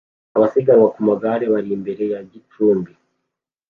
Abasiganwa ku magare bari imbere ya gicumbi